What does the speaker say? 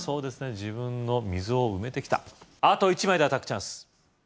自分の溝を埋めてきたあと１枚でアタックチャンス